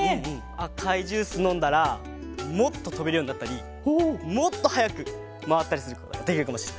あかいジュースのんだらもっととべるようになったりもっとはやくまわったりすることができるかもしれない。